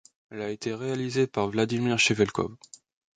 Elle a été réalisée par Vladimir Chevelkov.